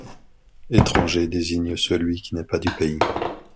Étranger désigne celui qui n'est pas du pays.